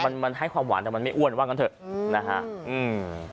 มันมันให้ความหวานแต่มันไม่อ้วนว่างั้นเถอะอืมนะฮะอืม